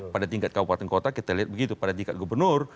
pada tingkat kabupaten kota kita lihat begitu pada tingkat gubernur